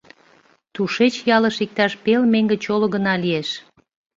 Тушеч ялыш иктаж пел меҥге чоло гына лиеш.